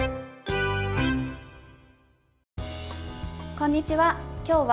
こんにちは。